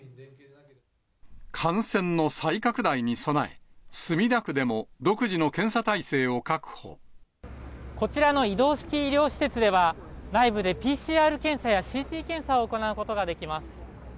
感染の再拡大に備え、こちらの移動式医療施設では、内部でＰＣＲ検査やＣＴ検査を行うことができます。